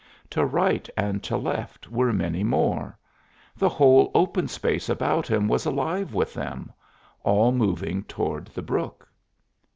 To right and to left were many more; the whole open space about him was alive with them all moving toward the brook.